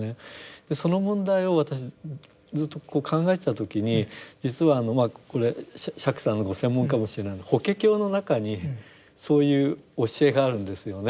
その問題を私ずっとこう考えてた時に実はあのこれ釈さんのご専門かもしれない「法華経」の中にそういう教えがあるんですよね。